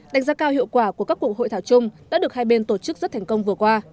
đánh giá cao hiệu quả của các cuộc hội thảo chung đã được hai bên tổ chức rất thành công vừa qua